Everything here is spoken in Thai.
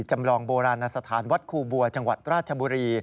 จำลองโบราณสถานวัดครูบัวจังหวัดราชบุรี